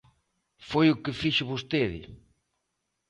Foi o que fixo vostede.